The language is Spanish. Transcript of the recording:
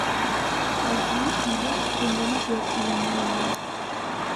Allí Ilo fundó una ciudad que llamó Ilión.